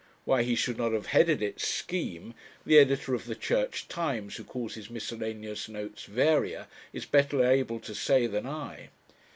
(Why he should not have headed it "Scheme," the editor of the Church Times, who calls his miscellaneous notes "Varia," is better able to say than I.)